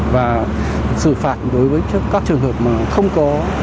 và xử phạt đối với các trường hợp mà không có